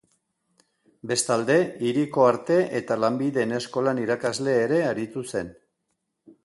Bestalde, hiriko Arte eta Lanbideen Eskolan irakasle ere aritu zen.